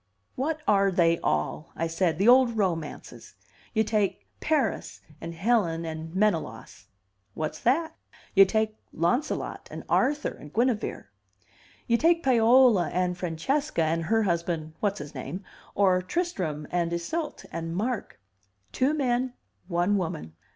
"What are they all," I said, "the old romances? You take Paris and Helen and Menelaus. What's that? You take Launcelot and Arthur and Guinevere. You take Paola and Francesca and her husband, what's his name, or Tristram and Iseult and Mark. Two men, one woman.